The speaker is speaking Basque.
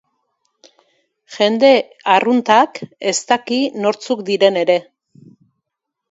Jende arruntak ez daki nortzuk diren ere.